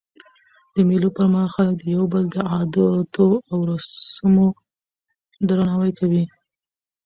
د مېلو پر مهال خلک د یو بل د عادتو او رسمو درناوی کوي.